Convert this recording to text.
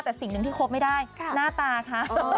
แต่สิ่งหนึ่งที่คบไม่ได้หน้าตาคะ